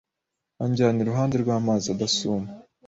Anjyana iruhande rw amazi adasuma